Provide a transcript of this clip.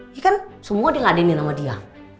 ya kan semua diladenin sama dia